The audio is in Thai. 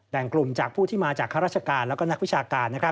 แบ่งกลุ่มจากผู้ที่มาจากฮาราชการแล้วก็นักวิชาการนะครับ